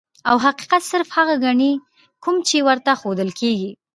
او حقيقت صرف هغه ګڼي کوم چي ورته ښودل کيږي.